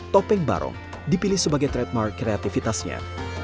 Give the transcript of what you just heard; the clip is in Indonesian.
topeng barong dipilih sebagai trademark kreativitasnya